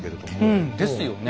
うんですよね。